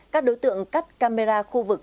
các đối tượng cắt camera khu vực